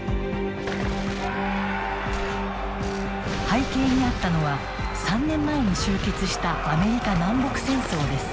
背景にあったのは３年前に終結したアメリカ南北戦争です。